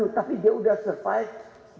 tapi dia sudah bertahan